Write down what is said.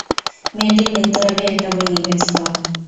মেয়েটি মৃত্যুর আগে একটা বই লিখেছিল।